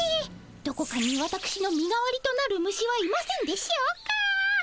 どこかにわたくしの身代わりとなる虫はいませんでしょうか？